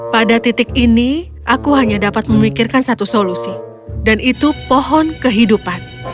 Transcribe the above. pada titik ini aku hanya dapat memikirkan satu solusi dan itu pohon kehidupan